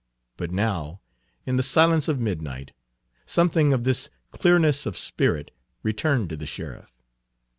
But now, in the silence of midnight, something of this clearness of spirit returned to the sheriff.